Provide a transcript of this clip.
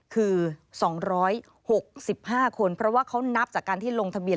คือ๒๖๕คนเพราะว่าเขานับจากการที่ลงทะเบียน